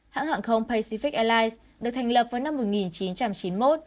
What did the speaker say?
hãng hàng không pacific airlines được thành lập vào năm một nghìn chín trăm chín mươi một